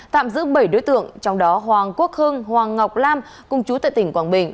tạm giữ bảy đối tượng trong đó hoàng quốc hưng hoàng ngọc lam cung chú tại tỉnh quảng bình